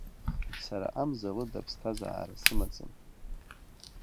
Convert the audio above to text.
Сара Амза лыда ԥсҭазаара сымаӡам!